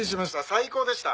最高でした。